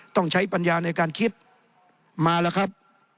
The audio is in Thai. ต้องใช้ปัญญาในการคิดมาแล้วครับ